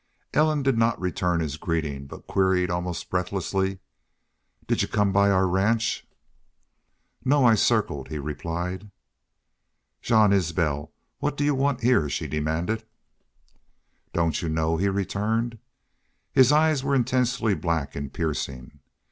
Ellen did not return his greeting, but queried, almost breathlessly, "Did y'u come by our ranch?" "No. I circled," he replied. "Jean Isbel! What do y'u want heah?" she demanded. "Don't you know?" he returned. His eyes were intensely black and piercing.